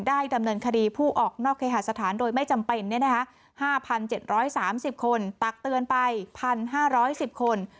ดำเนินคดีผู้ออกนอกเคหาสถานโดยไม่จำเป็น๕๗๓๐คนตักเตือนไป๑๕๑๐คน